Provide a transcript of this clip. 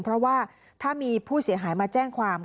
เพราะว่าถ้ามีผู้เสียหายมาแจ้งความ